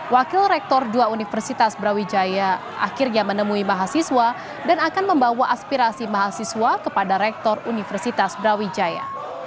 wakil rektor dua universitas brawijaya akhirnya menemui mahasiswa dan akan membawa aspirasi mahasiswa kepada rektor universitas brawijaya